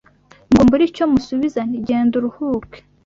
Ngo mbure icyo musubiza Nti: genda uruhuke